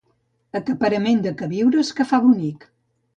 Acaparament de queviures que fa bonic.